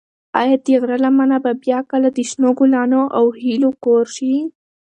ایا د غره لمنه به بیا کله د شنو ګلانو او هیلو کور شي؟